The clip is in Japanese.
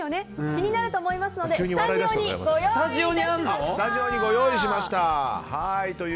気になると思いますのでスタジオにご用意いたしました。